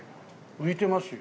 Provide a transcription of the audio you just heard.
浮いてますよ。